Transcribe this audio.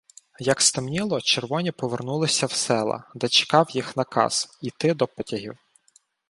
Як стемніло, червоні повернулися в села, де чекав їх наказ — іти до потягів.